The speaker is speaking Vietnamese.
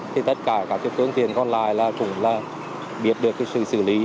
thì tất cả các phương tiện còn lại là cũng là biết được cái sự xử lý